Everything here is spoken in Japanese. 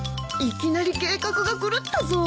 いきなり計画が狂ったぞ。